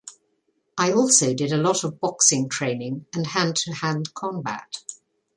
I also did a lot of boxing training and hand-to-hand combat.